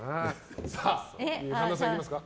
神田さん、いきますか。